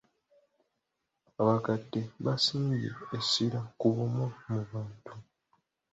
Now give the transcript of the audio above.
Abakadde basimbye essira ku bumu mu bantu.